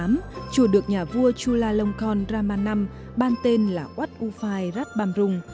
năm một nghìn tám trăm bảy mươi tám chùa được nhà vua chulalongkorn rama v ban tên là wat uphai ratbhamrung